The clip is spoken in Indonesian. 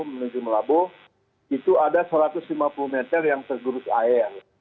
menuju melabuh itu ada satu ratus lima puluh meter yang tergerus air